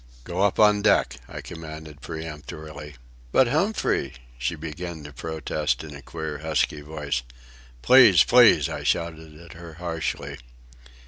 "Go up on deck!" I commanded peremptorily. "But, Humphrey—" she began to protest in a queer, husky voice. "Please! please!" I shouted at her harshly.